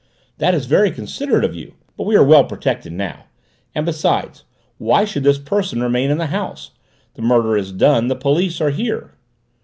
"That is very considerate of you. But we are well protected now. And besides, why should this person remain in the house? The murder is done, the police are here."